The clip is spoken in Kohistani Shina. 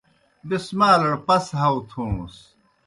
بیْس مالڑ پس ہاؤ تھوݨَس۔